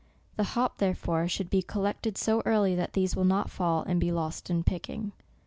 The hop. therefore, should be collected so early that these will not fall, and be lost in picking.